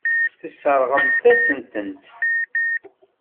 Tesseṛɣemt-asen-tent.